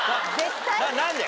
何で？